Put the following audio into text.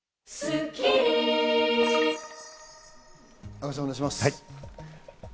阿部さん、お願いします。